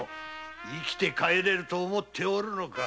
生きて帰れると思うておるのか！？